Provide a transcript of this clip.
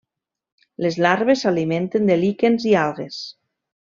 Les larves s'alimenten de líquens i algues.